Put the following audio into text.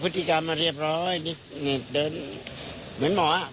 ก็พฤติกรรมมาเรียบร้อยเดินแบบเหมือนหมอ